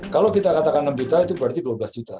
kalau kita katakan enam juta itu berarti dua belas juta